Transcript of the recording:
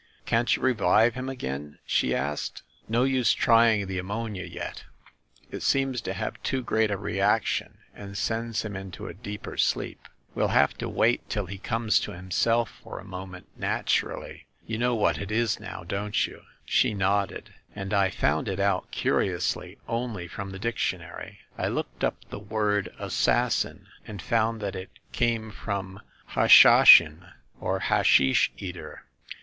"Can't you revive him again ?" she asked. "No use trying the ammonia yet. It seems to have too great a reaction and sends him into a deeper sleep. We'll have to wait till he comes to himself for a mo ment naturally. You know what it is now, don't you ?" She nodded. "And I found it out, curiously, only from the dictionary. I looked up the word 'assassin,' and found that it came from Hashashin or hashish eater.